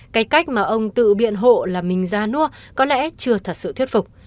cái cách mà ông tự biện hộ là mình ra nua có lẽ chưa thật sự thuyết phục